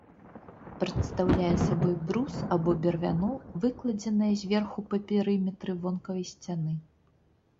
Прадстаўляе сабой брус або бервяно, выкладзенае зверху па перыметры вонкавай сцяны.